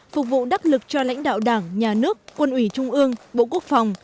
phục vụ đắc lực cho lãnh đạo đảng nhà nước quân ủy trung ương bộ quốc phòng